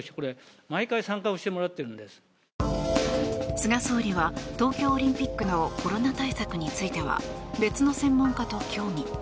菅総理は、東京オリンピックのコロナ対策については別の専門家と協議。